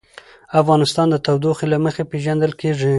افغانستان د تودوخه له مخې پېژندل کېږي.